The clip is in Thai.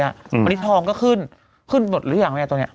วันนี้ทองก็ขึ้นขึ้นหมดหรือยังแม่ตอนนี้